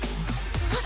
あっ！